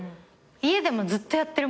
家でもずっとやってるもんね。